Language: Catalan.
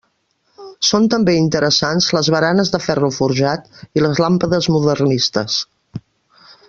Són també interessants les baranes de ferro forjat i les làmpades modernistes.